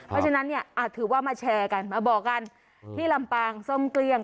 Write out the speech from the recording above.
เพราะฉะนั้นเนี่ยถือว่ามาแชร์กันมาบอกกันที่ลำปางส้มเกลี้ยง